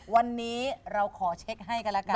วันนี้เราขอเช็คให้กันแล้วกัน